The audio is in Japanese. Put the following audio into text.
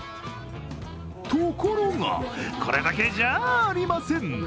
ところが、これだけじゃありません。